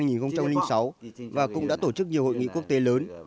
từng tổ chức hội nghị apec năm hai nghìn sáu và cũng đã tổ chức nhiều hội nghị quốc tế lớn